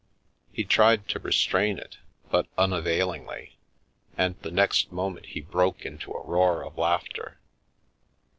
He tried to restrain it, but unavailingly, and the next moment he broke into a roar of laughter.